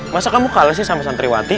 masa kamu kalah sih sama santriwati